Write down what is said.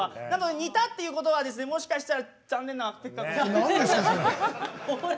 似たっていうことはもしかしたら残念な結果。